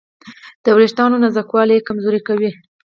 د وېښتیانو نازکوالی یې کمزوري کوي.